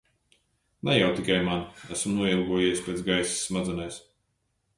Ne jau tikai man. Esmu noilgojies pēc gaisa smadzenēs.